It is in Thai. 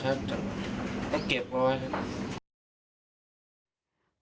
เตรียมไหมหลงไห้ไหมหลงครับจะเก็บไว้